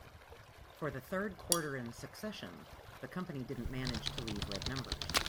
For the third quarter in succession, the company didn't manage to leave red numbers.